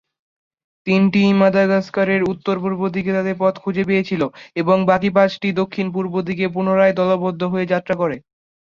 তিনটি মাদাগাস্কারের উত্তর-পূর্ব দিকে তাদের পথ খুঁজে পেয়েছিল, এবং বাকি পাঁচটি দক্ষিণ-পূর্ব দিকে পুনরায় দলবদ্ধ হয়ে যাত্রা করে।